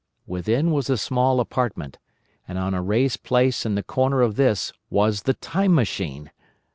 "Within was a small apartment, and on a raised place in the corner of this was the Time Machine.